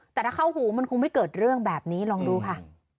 แต่ถ้าเข้าหูมันคงไม่เกิดเรื่องแบบนี้ลองดูค่ะ